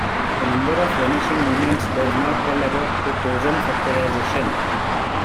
The number of vanishing moments does not tell about the chosen factorization.